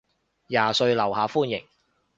廿歲樓下歡迎